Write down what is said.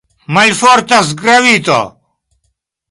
Malfortas gravito!